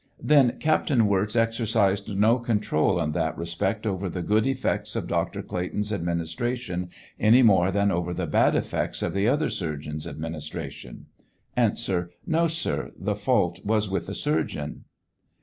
Then Captain Wirz exercised no control in that respect over the good effects of Dr. Clayton's adujiiiistration any more than over the bad effects of the other surgeon's admin istration ? A. No, sir; the fault was with the surgeon.